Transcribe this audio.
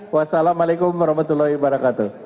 wassalamu'alaikum warahmatullahi wabarakatuh